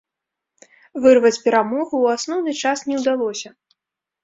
Вырваць перамогу ў асноўны час не ўдалося.